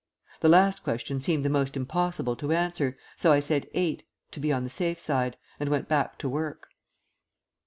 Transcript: The last question seemed the most impossible to answer, so I said "eight," to be on the safe side, and went back to work.